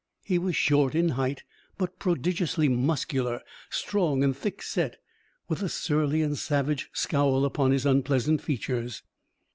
He was short in height, but prodigiously muscular, strong, and thick set, with a surly and savage scowl upon his unpleasant features.